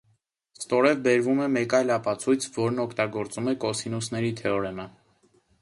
Ստորև բերվում է մեկ այլ ապացույց, որն օգտագործում է կոսինուսների թեորեմը։